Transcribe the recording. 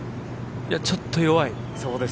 ちょっと弱い。